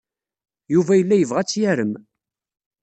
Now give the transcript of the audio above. Yuba yella yebɣa ad tt-yarem.